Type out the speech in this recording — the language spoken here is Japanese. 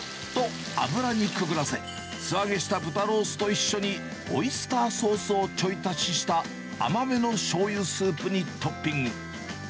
一束分のニラをさっと油にくぐらせ、素揚げした豚ロースと一緒に、オイスターソースをちょい足しした甘めのしょうゆスープにトッピング。